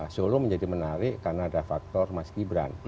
solo menjadi menarik karena ada faktor mas gibran